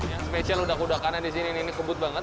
yang spesial udah kudakannya di sini ini kebut banget